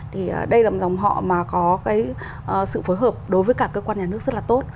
thì đây là một dòng họ mà có cái sự phối hợp đối với cả cơ quan nhà nước rất là tốt